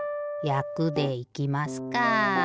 「やく」でいきますか。